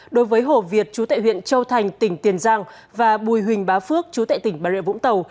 đối với hồ việt chú tại huyện châu thành tỉnh tiền giang và bùi huỳnh bá phước chú tại tỉnh bà rịa vũng tàu